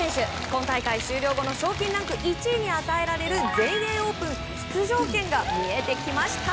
今大会終了後の賞金ランク１位に与えられる全英オープン出場権が見えてきました。